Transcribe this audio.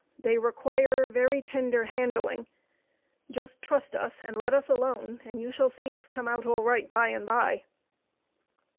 They require very tender handling. Just trust us and let us alone, and you shall see us come out all right by and by."